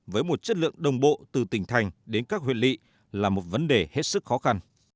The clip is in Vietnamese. với một chất lượng đồng bộ từ tỉnh thành đến các huyện lị là một vấn đề hết sức khó khăn